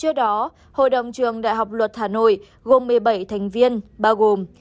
trước đó hội đồng trường đại học luật hà nội gồm một mươi bảy thành viên bao gồm